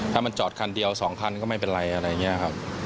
ถ้ามันจอดคันเดียว๒คันก็ไม่เป็นไรอะไรอย่างนี้ครับ